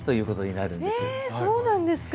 ええそうなんですか！